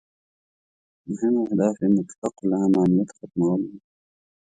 مهم اهداف یې مطلق العنانیت ختمول وو.